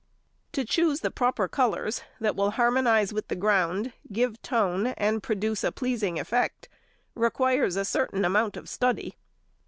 To choose the proper colours that will harmonize with the ground, give tone, and produce a pleasing effect, requires a certain amount of study.